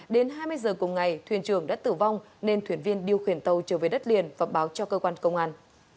đến hai mươi giờ cùng ngày thuyền trường đã tử vong nên thuyền viên điều khiển tàu trở về đất liền và báo cho cơ quan công an